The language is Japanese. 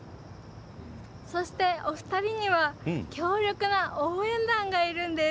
そして、お二人には強力な応援団がいるんです。